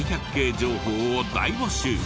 情報を大募集。